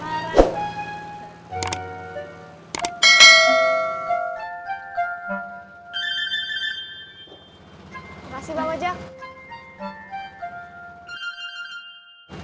terima kasih bang ojak